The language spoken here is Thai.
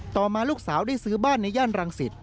ต่อมาลูกสาวได้ซื้อบ้านในย่านรังสิต